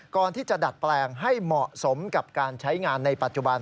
ก่อนที่จะดัดแปลงให้เหมาะสมกับการใช้งานในปัจจุบัน